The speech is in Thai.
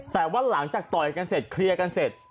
แต่ว่าหลังจากต่อยกันเสร็จเคลียร์กันเสร็จ